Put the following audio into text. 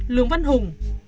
lướng văn hùng